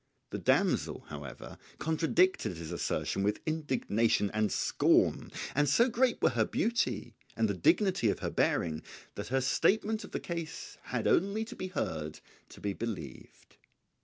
The damsel, however, contradicted his assertion with indignation and scorn, and so great were her beauty and the dignity of her bearing that her statement of the case had only to be heard to be believed.